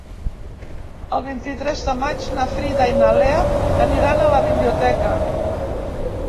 El vint-i-tres de maig na Frida i na Lea aniran a la biblioteca.